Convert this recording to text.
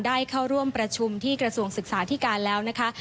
ได้เข้าร่วมประชุมที่กระทรวงศึกษาที่การแล้วนะคะ